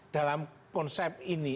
dalam konsep ini